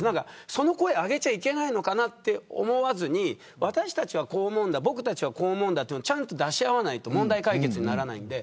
その声を上げちゃいけないのかなと思わずに私たちは、こう思う僕たちはこう思うというのをちゃんと出し合わないと問題解決にならないんで。